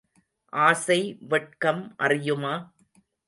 ஆசை வெட்கம் அறியுமா?